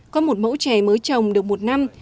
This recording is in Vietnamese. có một mẫu chè mới trồng được một năm